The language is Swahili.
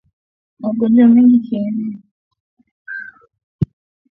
Magonjwa mengine ya kieneo